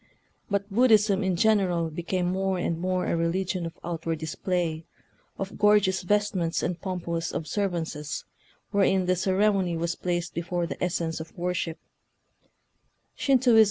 But Buddhism in general became more and more a religion of out ward display, of gorgeous vestments and pompous observances, wherein the cere mony was placed before the essence of worship.